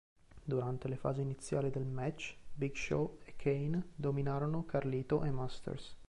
Durante le fasi iniziali del match, Big Show e Kane dominarono Carlito e Masters.